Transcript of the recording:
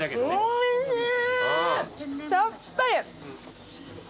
おいしい。